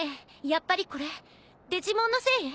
やっぱりこれデジモンのせい？